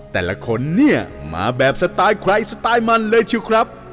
แต่ละคนเนี่ยมาแบบสไตล์ใครสไตล์มันเลยชิวครับ